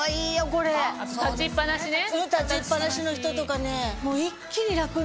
立ちっぱなしの人とかね。